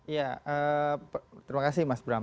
ya terima kasih mas bram